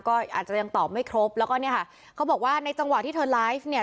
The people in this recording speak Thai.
ก็อาจจะยังตอบไม่ครบแล้วก็เนี่ยค่ะเขาบอกว่าในจังหวะที่เธอไลฟ์เนี่ย